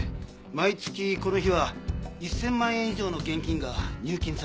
毎月この日は１０００万円以上の現金が入金されます。